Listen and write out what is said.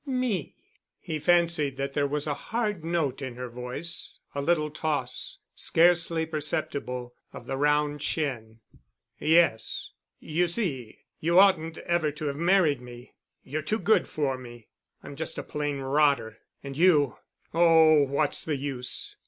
"Me——?" He fancied that there was a hard note in her voice, a little toss, scarcely perceptible, of the rounded chin. "Yes. You see, you oughtn't ever to have married me. You're too good for me. I'm just a plain rotter and you—oh, what's the use?"